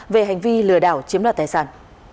về hành vi lừa đảo chiếm lật tài sản